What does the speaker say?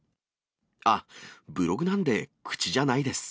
あっ、ブログなんで口じゃないです。